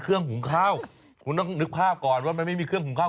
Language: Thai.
ขุมข้าวคุณต้องนึกพักก่อนว่าไม่มีเครื่องขุมข้าว